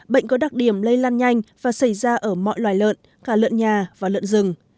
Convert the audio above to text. bệnh có đặc điểm lây lan nhanh và xảy ra ở mọi loài lợn cả lợn nhà và lợn rừng